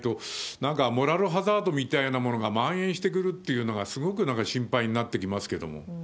なんかモラルハザードみたいなものがまん延してくるっていうのが、すごく心配になってきますけれども。